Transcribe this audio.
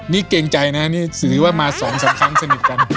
นี่เกรงใจนะสหิตที่ว่ามาสองสามครั้งสนิทกัน